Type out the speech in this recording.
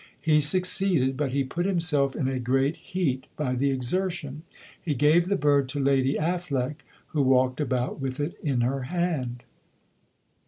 He succeeded, but he put himself in a great heat by the exertion. He gave the bird to Lady Affleck, who walked about with it in her hand."